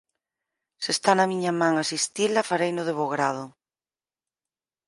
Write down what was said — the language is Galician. Se está na miña man asistila, fareino de bo grado.